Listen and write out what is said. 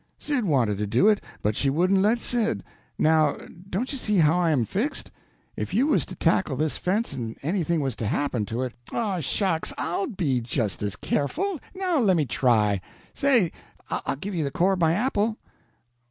Sid wanted to do it, but she wouldn't let Sid. Now, don't you see how I am fixed? If you was to tackle this fence, and anything was to happen to it " "Oh, shucks; I'll be just as careful. Now lemme try. Say I'll give you the core of my apple."